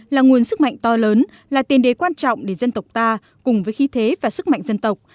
là nguồn sức mạnh to lớn là tiền đề quan trọng để dân tộc ta cùng với khí thế và sức mạnh dân tộc